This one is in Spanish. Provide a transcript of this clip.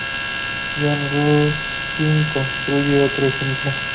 John Ruskin constituye otro ejemplo.